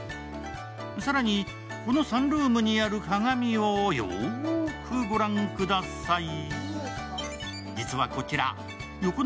更に、このサンルームにある鏡をよーく御覧ください。